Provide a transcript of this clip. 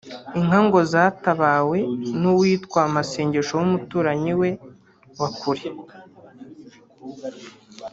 inka ngo zatabawe n’uwitwa Masengesho w’umuturanyi we wa kure